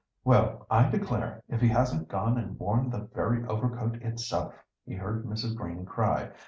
"Well, I declare, if he hasn't gone and worn the very overcoat itself!" he heard Mrs. Green cry.